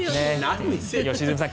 良純さん